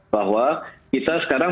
bahwa kita sekarang